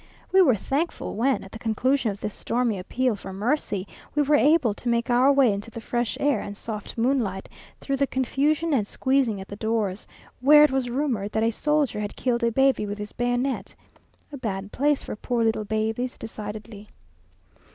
We were thankful when, at the conclusion of this stormy appeal for mercy, we were able to make our way into the fresh air and soft moonlight, through the confusion and squeezing at the doors, where it was rumoured that a soldier had killed a baby with his bayonet. A bad place for poor little babies decidedly.